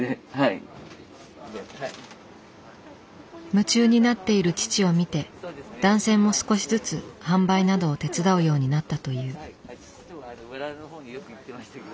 夢中になっている父を見て男性も少しずつ販売などを手伝うようになったという。